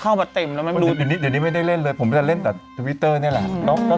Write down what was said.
คนจะเข้าไปเต็ม